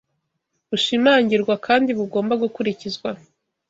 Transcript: bushimangirwa kandi bugomba gukurikizwa.